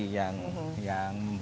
di sini bni yang memberikan